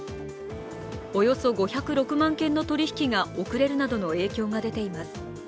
およそ５０６万件の取り引きが遅れるなどの影響が出ています。